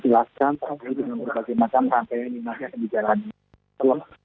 jelaskan saya dengan berbagai macam rangkaian ibadah yang akan dijalankan